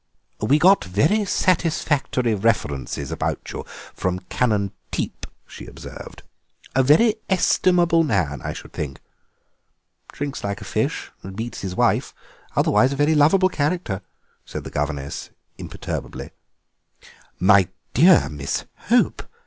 "We got very satisfactory references about you from Canon Teep," she observed; "a very estimable man, I should think." "Drinks like a fish and beats his wife, otherwise a very lovable character," said the governess imperturbably. "My dear Miss Hope!